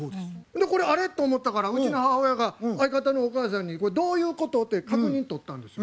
これ「あれ？」と思ったからうちの母親が相方のお母さんに「これどういうこと？」って確認取ったんですよ。